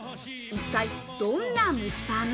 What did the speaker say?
一体どんな蒸しパン？